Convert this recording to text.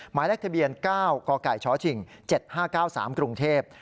หมายเลขทะเบียน๙กกชชิง๗๕๙๓กรุงเทพฯ